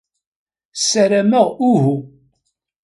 Ssarameɣ uhu.